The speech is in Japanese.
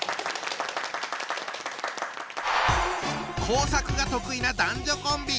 工作が得意な男女コンビ。